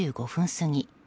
過ぎ